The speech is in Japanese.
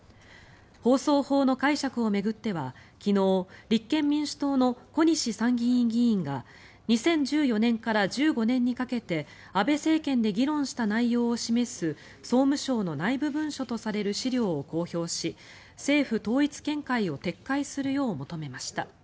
放送法の解釈を巡っては昨日立憲民主党の小西参議院議員が２０１４年から１５年にかけて安倍政権で議論した内容を示す総務省の内部文書とされる資料を公表し政府統一見解を撤回するよう求めました。